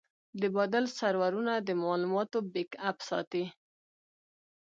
د بادل سرورونه د معلوماتو بیک اپ ساتي.